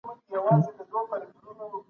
کم خوب توازن خرابوي.